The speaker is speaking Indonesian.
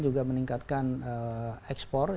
juga meningkatkan ekspor